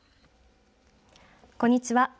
こんにちは。